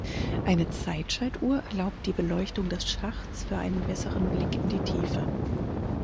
Eine Zeitschaltuhr erlaubt die Beleuchtung des Schachts für einen besseren Blick in die Tiefe.